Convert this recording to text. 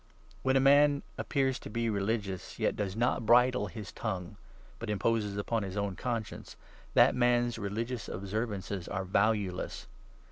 When 26 a man appears to be religious, yet does not bridle his tongue, but imposes upon his own conscience, that man's religious observances are valueless.